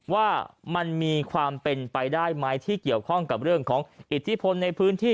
ว่ามันมีความเป็นไปได้ไหมที่เกี่ยวข้องกับเรื่องของอิทธิพลในพื้นที่